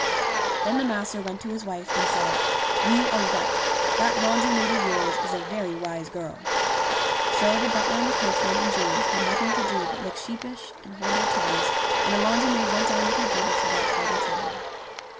Then the master went to his wife and said, "You are right. That laundry maid of yours is a very wise girl." So the butler and the coachman and James had nothing to do but look sheepish and hold their tongues, and the laundry maid went on with her duties without further trouble.